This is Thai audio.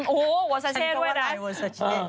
โอ้โหเวอร์ซาเช่ด้วยนะ